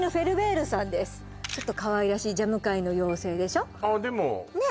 ちょっとかわいらしいジャム界の妖精でしょあでもねえ